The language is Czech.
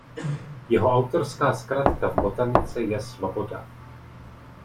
Jeho autorská zkratka v botanice je „Sloboda“.